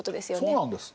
そうなんです。